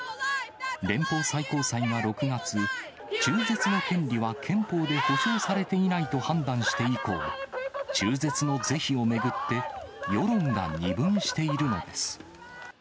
連邦最高裁が６月、中絶の権利は憲法で保障されていないと判断して以降、中絶の是非を巡って世論が二分しているのです。